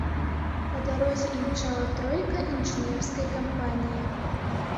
Па дарозе імчала тройка інжынерскай кампаніі.